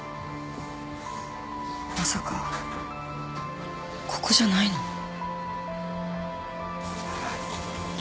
まさかここじゃないの？